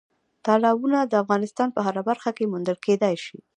تالابونه د افغانستان په هره برخه کې موندل کېدای شي.